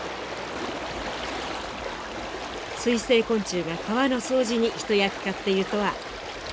水生昆虫が川の掃除に一役買っているとは知りませんでした。